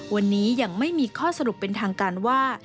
วันนี้ยังไม่มีข้อสรุปเป็นทางการว่า